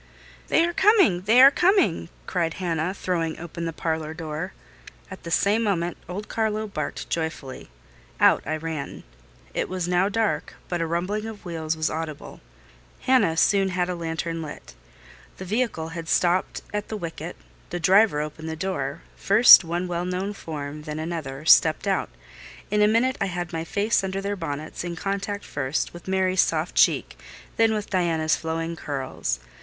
"They are coming! they are coming!" cried Hannah, throwing open the parlour door. At the same moment old Carlo barked joyfully. Out I ran. It was now dark; but a rumbling of wheels was audible. Hannah soon had a lantern lit. The vehicle had stopped at the wicket; the driver opened the door: first one well known form, then another, stepped out. In a minute I had my face under their bonnets, in contact first with Mary's soft cheek, then with Diana's flowing curls.